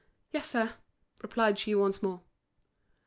"Yes, sir," replied she once more.